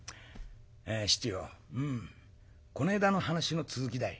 七よこねえだの話の続きだい」。